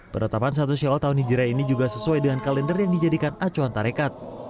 penetapan satu syawal tahun hijrah ini juga sesuai dengan kalender yang dijadikan acuan tarekat